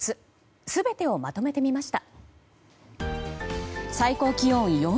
全てをまとめてみました。